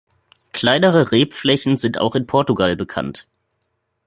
Kleinere Rebflächen sind auch in Portugal bekannt.